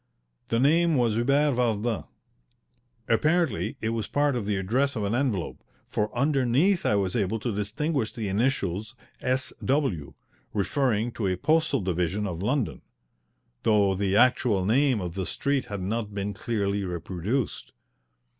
The name was Hubert Vardin. Apparently it was part of the address of an envelope, for underneath I was able to distinguish the initials S.W., referring to a postal division of London, though the actual name of the street had not been clearly reproduced.